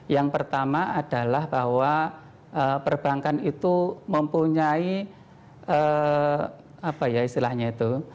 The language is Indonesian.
yang pertama adalah bahwa perbankan itu mempunyai apa ya istilahnya itu